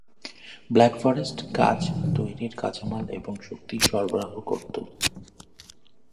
Black Forest কাচ তৈরির কাঁচামাল এবং শক্তি সরবরাহ করত।